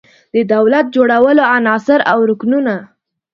د دولت جوړولو عناصر او رکنونه